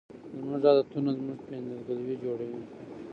زموږ عادتونه زموږ پیژندګلوي جوړوي.